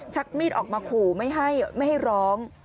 ชักมีดออกมาขู่ไม่ให้ร้อง